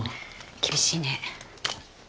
厳しいね。